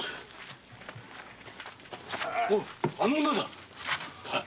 あの女だ。